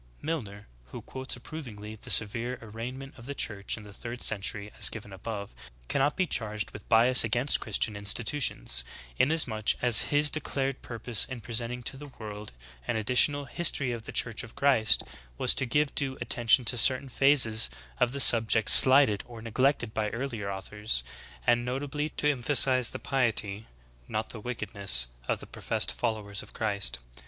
"^' 9. Milner, who quotes approvingly the severe arraign ment of the Church in the third century as given above, cannot be charged with bias against Christian institutions, inasmuch as his declared purpose in presenting to the world an additional ''History of the Church of Christ" was to give due attention to certain phases of the subject slighted or neglected by earlier authors, and notably to emphasize the piety, not the wickedness, of the professed followers of Christ.